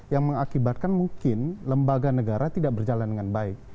yang mengakibatkan mungkin lembaga negara tidak berjalan dengan baik